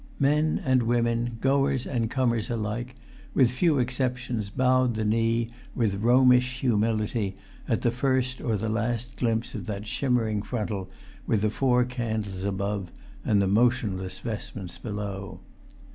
Men and women, goers and comers alike, with few exceptions, bowed the knee with Romish humility at the first or the last glimpse of that shimmering frontal with the four candles above and the motionless vestments below.